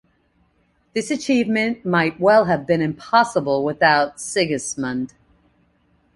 This achievement might well have been impossible without Sigismund.